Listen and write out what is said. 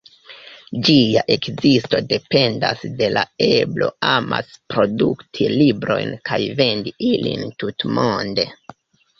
Ĝia ekzisto dependas de la eblo amase produkti librojn kaj vendi ilin tutmonde.